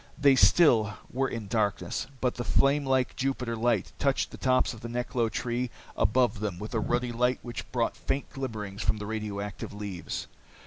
They still were in darkness, but the flame like Jupiter light touched the tops of the neklo trees above them with a ruddy light which brought faint glimmerings from the radioactive leaves.